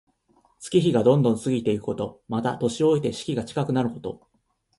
月日がどんどん過ぎていくこと。また、年老いて死期が近くなること。